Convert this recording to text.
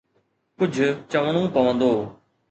ڪجهه چوڻو پوندو.